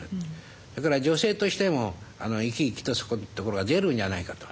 それから女性としても生き生きとそこんところは出るんじゃないかと。